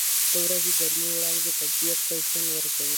• د ورځې ګرمې وړانګې طبیعت ته ژوند ورکوي.